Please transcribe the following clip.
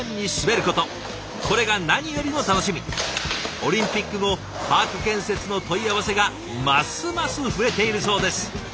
オリンピック後パーク建設の問い合わせがますます増えているそうです。